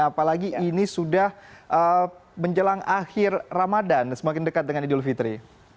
apalagi ini sudah menjelang akhir ramadan semakin dekat dengan idul fitri